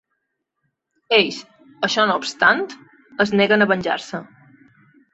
Ells, això no obstant, es neguen a venjar-se.